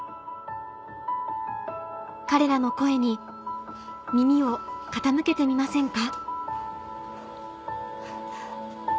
彼らの声に耳を傾けてみませんか？